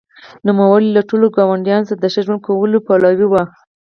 نوموړي له ټولو ګاونډیانو سره د ښه ژوند کولو پلوی و.